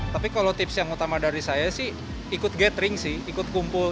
tapi kalau tips yang utama dari saya sih ikut gathering sih ikut kumpul